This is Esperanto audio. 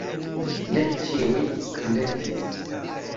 Ne ĉiuj silentis.